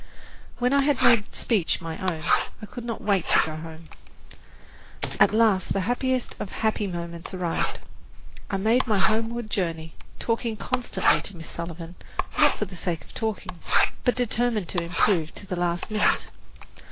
When I had made speech my own, I could not wait to go home. At last the happiest of happy moments arrived. I had made my homeward journey, talking constantly to Miss Sullivan, not for the sake of talking, but determined to improve to the last minute.